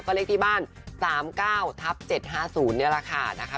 ก็เลขที่บ้าน๓๙๗๕๐เนี่ยแหละค่ะ